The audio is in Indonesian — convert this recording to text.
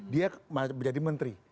dia menjadi menteri